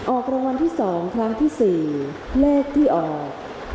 ออกรวมที่สองครั้งที่สี่เลขที่ออก